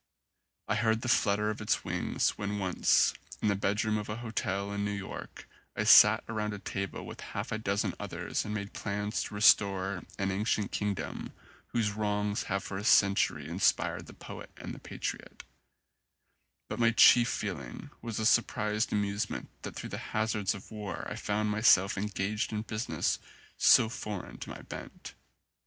I heard the flutter of its wings when once, in the bedroom of a hotel in New York, I sat round a table with half a dozen others and made plans to restore an ancient kingdom whose wrongs have for a century inspired the poet and the patriot ; but my chief feeling was a surprised amusement that through the hazards of war I found myself en gaged in business so foreign to my bent.